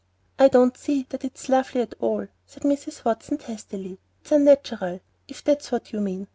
"I don't see that it's lovely at all," said Mrs. Watson, testily. "It's unnatural, if that's what you mean.